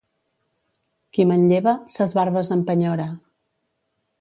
Qui manlleva, ses barbes empenyora.